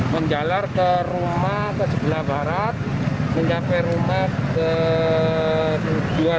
menjalar ke rumah ke sebelah barat menjalar rumah ke dua rumah